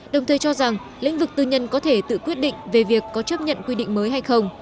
đồng thời cho rằng lĩnh vực tư nhân có thể tự quyết định về việc có chấp nhận quy định mới hay không